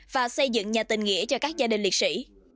và xây dựng nhà tình nghĩa cho các gia đình liệt sĩ